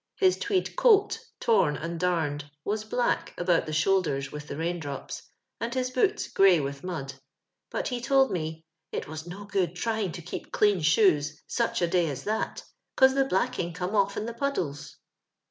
His tweed coat, torn and darned, was black about the shoulders with the rain drops, and his boots grey with mud, but, he told me, It was no good tr>'ing to keep clean shoes such a day as that, 'cause the blacking come off in the puddles."